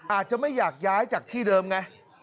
อาจจะไม่อยากย้ายจากที่เดิมไง